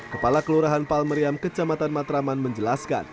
kepala kelurahan palmeriam kecamatan matraman menjelaskan